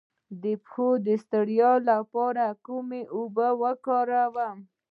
د پښو د ستړیا لپاره کومې اوبه وکاروم؟